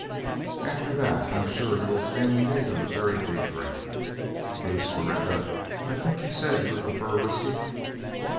After that I am sure you will stand in need of a very big drink. Haste, Morinda! I think you said you would prefer whisky?"